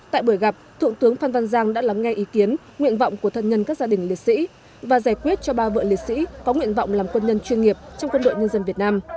tại buổi gặp thượng tướng phan văn giang đã lắng nghe ý kiến nguyện vọng của thân nhân các gia đình liệt sĩ và giải quyết cho ba vợ liệt sĩ có nguyện vọng làm quân nhân chuyên nghiệp trong quân đội nhân dân việt nam